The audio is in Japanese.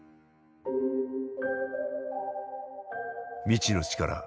未知の力